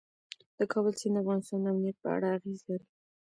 د کابل سیند د افغانستان د امنیت په اړه اغېز لري.